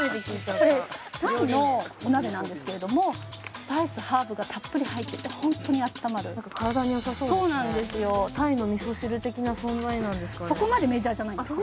これタイのお鍋なんですけれどもスパイスハーブがたっぷり入っててホントにあったまるなんか体によさそうですねそうなんですよタイのみそ汁的な存在なんですかね